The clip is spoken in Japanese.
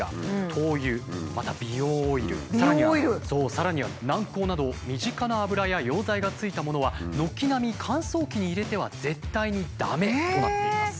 さらには軟膏など身近な油や溶剤がついたものは軒並み乾燥機に入れては絶対に駄目となっています。